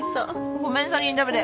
ごめん先に食べて。